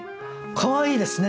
かわいいですね。